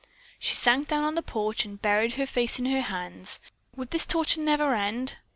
She sank down on the porch and buried her face in her hands. Would this torture never end?